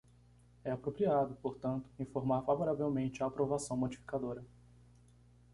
É apropriado, portanto, informar favoravelmente a aprovação modificadora.